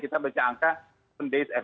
kita baca angka per hari